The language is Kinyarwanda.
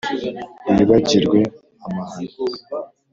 wibagirwe amahano